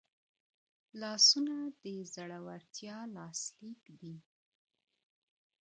لاسونه د زړورتیا لاسلیک دی